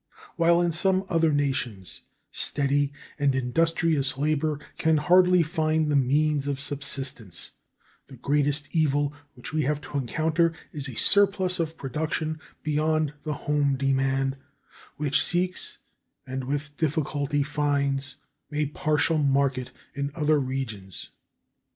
While in some other nations steady and industrious labor can hardly find the means of subsistence, the greatest evil which we have to encounter is a surplus of production beyond the home demand, which seeks, and with difficulty finds, a partial market in other regions.